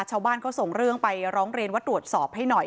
ชาวบ้านเขาส่งเรื่องไปร้องเรียนว่าตรวจสอบให้หน่อย